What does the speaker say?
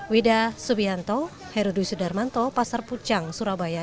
wida subianto herudwi sudarmanto pasar pucang surabaya